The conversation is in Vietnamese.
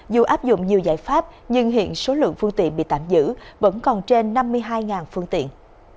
dù áp dụng nhiều giải pháp nhưng hiện số lượng phương tiện bị tạm giữ vẫn còn trên năm mươi hai phương tiện